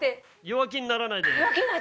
弱気にならないで。